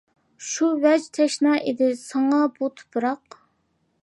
شۇ ۋەج تەشنا ئىدى ساڭا بۇ تۇپراق!